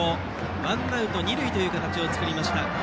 ワンアウト、二塁という形を作りました。